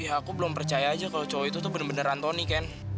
aku belum percaya aja kalau cowok itu tuh bener bener anthony kan